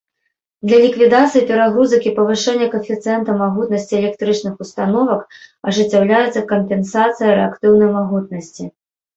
Для ліквідацыі перагрузак і павышэння каэфіцыента магутнасці электрычных установак ажыццяўляецца кампенсацыя рэактыўнай магутнасці.